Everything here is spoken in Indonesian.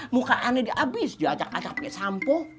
muka aneh di abis diajak ajak pake sampo